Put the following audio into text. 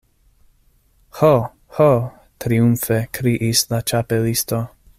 "Ho, ho!" triumfe kriis la Ĉapelisto.